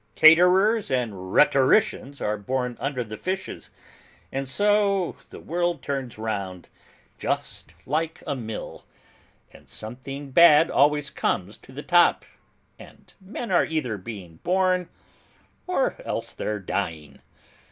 Caterers and rhetoricians are born under the Fishes: and so the world turns round, just like a mill, and something bad always comes to the top, and men are either being born or else they're dying.